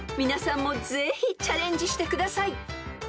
［皆さんもぜひチャレンジしてください］